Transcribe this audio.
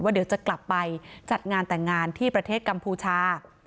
เดี๋ยวจะกลับไปจัดงานแต่งงานที่ประเทศกัมพูชา